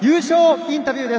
インタビューです。